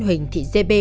huỳnh thị giê bê